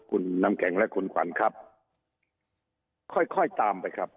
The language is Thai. คุณน้ำแข็งและคุณขวัญครับค่อยค่อยตามไปครับ